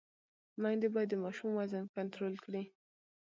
میندې باید د ماشوم وزن کنټرول کړي۔